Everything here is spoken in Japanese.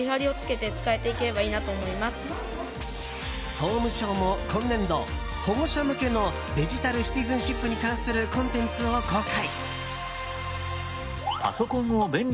総務省も今年度保護者向けのデジタル・シティズンシップに関するコンテンツを公開。